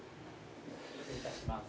失礼いたします。